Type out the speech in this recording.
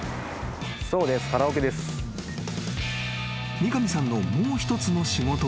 ［三上さんのもう一つの仕事。